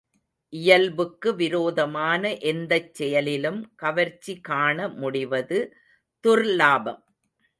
இயல்புக்கு விரோதமான எந்தச் செயலிலும் கவர்ச்சி காண முடிவது துர்லாபம்.